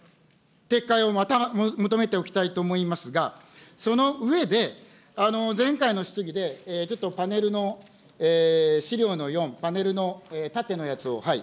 撤回をまた求めておきたいと思いますが、その上で、前回の質疑で、ちょっとパネルの資料の４、パネルの縦のやつを。